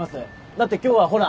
だって今日はほら。